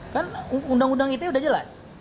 kan undang undang ite udah jelas